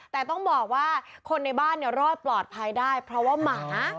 แต่ต้องบอกว่าคนในบ้านเนี่ยรอดปลอดภัยได้เพราะว่าหมา